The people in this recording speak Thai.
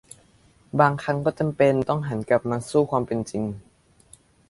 บางครั้งก็จำเป็นต้องหันกลับมาสู่ความเป็นจริง